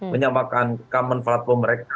menyampaikan common platform mereka